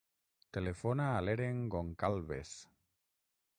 Telefona a l'Eren Goncalves.